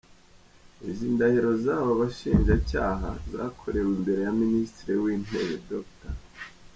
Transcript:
Izi ndahiro z’aba bashinjacyaha zakorewe imbere ya Minisitiri w’Intebe Dr.